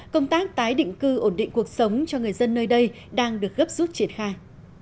công tác tái định cư ổn định cuộc sống cho người dân nơi đây đang được gấp rút triển khai